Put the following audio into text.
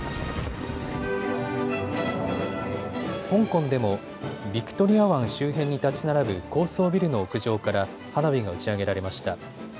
香港でもビクトリア湾周辺に建ち並ぶ高層ビルの屋上から花火が打ち上げられました。